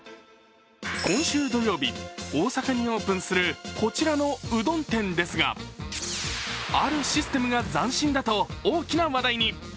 今週土曜日、大阪にオープンするこちらのうどん店ですが、あるシステムが斬新だと大きな話題に。